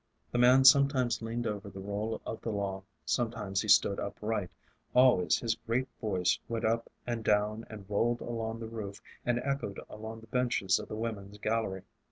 The man sometimes leaned over the Roll of the Law, sometimes he stood upright, always his great Voice went up and down and rolled along the roof and echoed along the benches of the women's gallery.